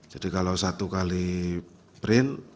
jadi kalau satu kali print